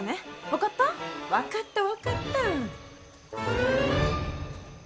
分かった分かった。